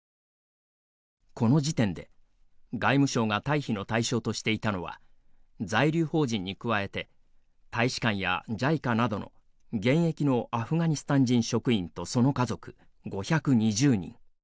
この時点で、外務省が退避の対象としていたのは在留邦人に加えて大使館やＪＩＣＡなどの現役のアフガニスタン人職員とその家族、５２０人。